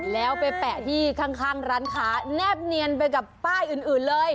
แล้วไปแปะที่ข้างร้านค้าแนบเนียนไปกับป้ายอื่นเลย